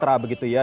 satra begitu ya